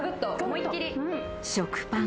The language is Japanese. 思いっ切り。